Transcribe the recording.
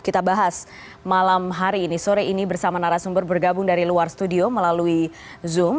kita bahas malam hari ini sore ini bersama narasumber bergabung dari luar studio melalui zoom